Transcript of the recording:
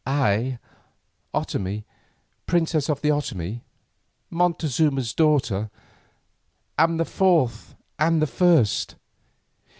"I, Otomie, princess of the Otomie, Montezuma's daughter, am the fourth and the first."